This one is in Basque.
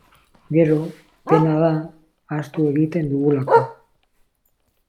Gero, pena da, ahaztu egiten dugulako.